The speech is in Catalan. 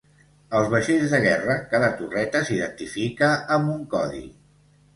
Als vaixells de guerra cada torreta s'identifica amb un codi.